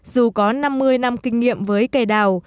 dù có năm mươi năm kinh nghiệm với cây đào